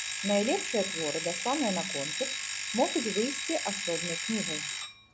Найлепшыя творы, дасланыя на конкурс, могуць выйсці асобнай кнігай.